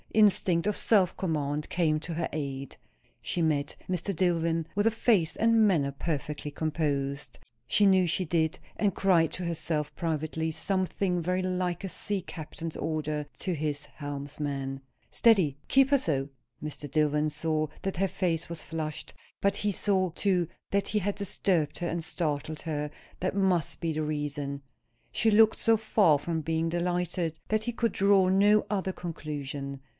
instinct of self command came to her aid. She met Mr. Dillwyn with a face and manner perfectly composed; she knew she did; and cried to herself privately some thing very like a sea captain's order to his helmsman "Steady! keep her so." Mr. Dillwyn saw that her face was flushed; but he saw, too, that he had disturbed her and startled her; that must be the reason. She looked so far from being delighted, that he could draw no other conclusion.